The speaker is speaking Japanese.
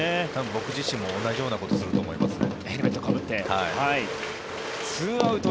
僕自身も同じようなことをすると思いますね。